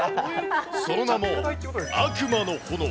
その名も悪魔の炎。